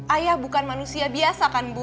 ayah bukan manusia biasa kan bu